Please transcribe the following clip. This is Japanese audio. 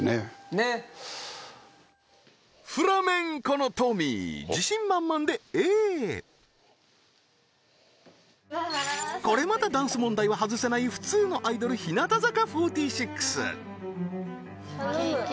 ねっフラメンコのトミー自信満々でＡへこれまたダンス問題は外せない普通のアイドル日向坂４６頼むいけいけ